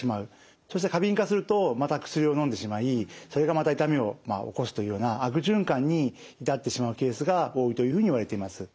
そして過敏化するとまた薬をのんでしまいそれがまた痛みを起こすというような悪循環に至ってしまうケースが多いというふうにいわれています。